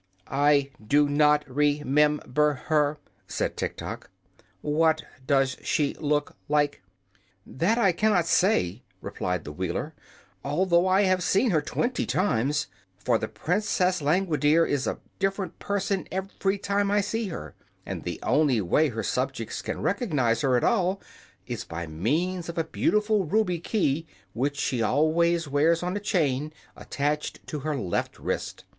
"I do not re mem ber her," said Tiktok. "What does she look like?" "That I cannot say," replied the Wheeler, "although I have seen her twenty times. For the Princess Langwidere is a different person every time I see her, and the only way her subjects can recognize her at all is by means of a beautiful ruby key which she always wears on a chain attached to her left wrist.